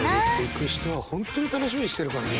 行く人は本当に楽しみにしてるからね。